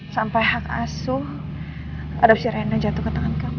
sampai hak asuh adopsi rena jatuh ke tangan kamu